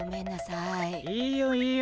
いいよいいよ。